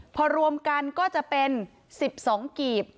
พอรวมกันก็จะเป็น๑๒กีบ